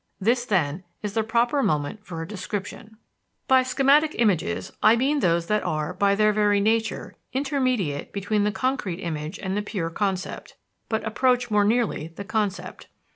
This, then, is the proper moment for a description. By "schematic images" I mean those that are, by their very nature, intermediate between the concrete image and the pure concept, but approach more nearly the concept.